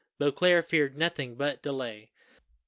Beauclerc feared nothing but delay.